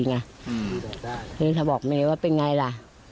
เฮะเนี่ยจะบอกเนว่าเป็นไงล่ะ